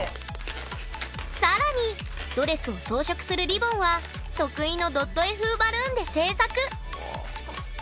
更にドレスを装飾するリボンは得意のドット絵風バルーンで制作！